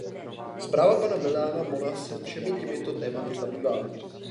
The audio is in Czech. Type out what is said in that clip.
Zpráva pana Millána Mona se všemi těmito tématy zabývá.